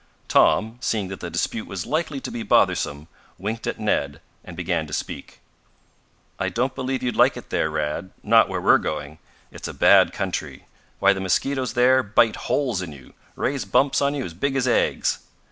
Tom, seeing that the dispute was likely to be bothersome, winked at Ned and began to speak. "I don't believe you'd like it there, Rad not where we're going. It's a bad country. Why the mosquitoes there bite holes in you raise bumps on you as big as eggs."